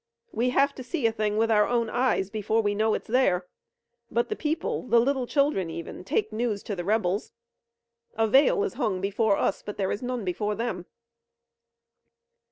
We have to see a thing with our own eyes before we know it's there, but the people, the little children even, take news to the rebels. A veil is hung before us, but there is none before them."